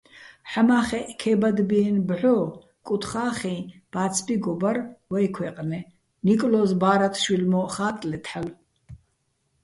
ჰ̦ამა́ხეჸ ქე́ბადბიენო̆ ბჵო კუთხახიჼ ბა́ცბიგო ბარ ვეჲ ქვეჲყნე, ნიკლო́ზ ბა́რათშვილ მო́ჸ ხა́ტტლეთ ჰ̦ალო̆.